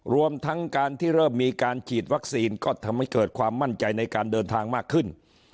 รวมทั้งการที่เริ่มมีการฉีดวัคซีนก็ทำให้เกิดความมั่นใจในการเดินทางมากขึ้น